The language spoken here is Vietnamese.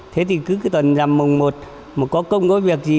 thế thì cứ cái tuần làm mồng một mà có công có việc gì